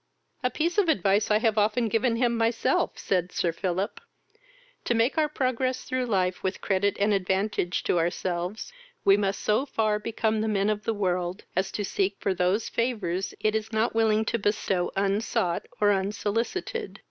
"A piece of advice I have often given him myself, (said Sir Philip.) To make our progress through life with credit and advantage to ourselves, we must so far become men of the world, as to seek for those favours it is not willing to bestow unsought or unsolicited."